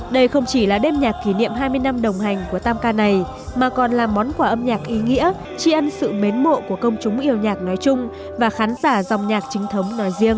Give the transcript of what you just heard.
đây không chỉ là đêm nhạc kỷ niệm hai mươi năm đồng hành của tam ca này mà còn là món quà âm nhạc ý nghĩa tri ân sự mến mộ của công chúng yêu nhạc nói chung và khán giả dòng nhạc chính thống nói riêng